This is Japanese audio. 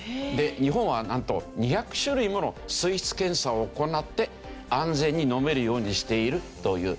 日本はなんと２００種類もの水質検査を行って安全に飲めるようにしているという。